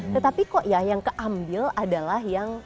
tetapi kok ya yang keambil adalah yang lebih pro